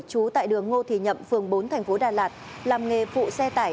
trú tại đường ngô thì nhậm phường bốn tp đà lạt làm nghề phụ xe tải